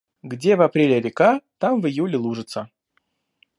Где в апреле река, там в июле лужица.